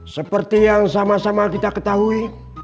seperti yang sama sama kita ketahui